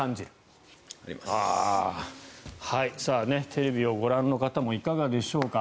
テレビをご覧の方もいかがでしょうか。